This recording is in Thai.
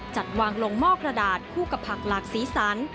จัดวางลงหม้อกระดาษคู่กับผักหลากสีสัน